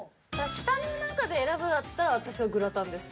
下の中で選ぶのだったら私はグラタンです。